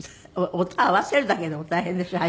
音合わせるだけでも大変でしょ？